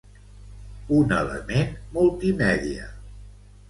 Un element multimèdia.